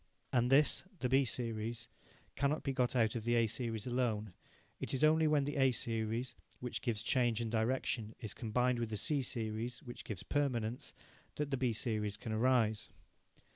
And this the B series cannot be got out of the A series alone. It is only when the A series, which gives change and direction, is combined with the C series, which gives permanence, that the B series can arise.